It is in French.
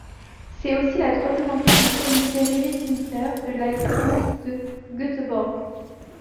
C'est aussi la troisième enquête du commissaire Erik Winter de la police de Göteborg.